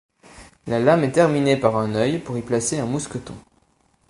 La lame est terminée par un œil pour y placer un mousqueton.